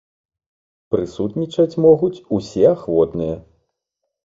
Прысутнічаць могуць усе ахвотныя.